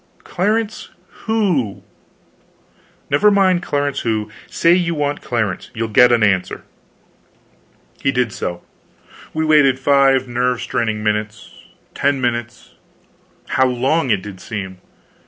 "Clarence who?" "Never mind Clarence who. Say you want Clarence; you'll get an answer." He did so. We waited five nerve straining minutes ten minutes how long it did seem!